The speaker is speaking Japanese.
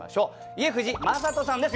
家藤正人さんです